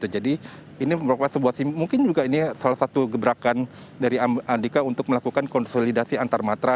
jadi ini mungkin juga salah satu gebrakan dari andika untuk melakukan konsolidasi antarmatra